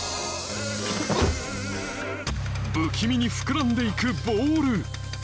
不気味に膨らんでいくボール